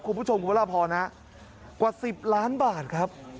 คุณผู้ชมคุณพระราพรนะกว่า๑๐ล้านบาทครับ